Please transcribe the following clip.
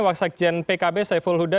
waksek jnpkb saiful huda